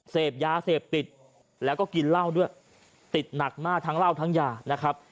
เสพยาเสพติดแล้วก็กินเหล้าด้วยติดหนักมากทั้งเหล้าทั้งยานะครับ